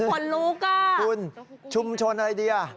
คนรู้ก็คุณชุมชนอะไรดี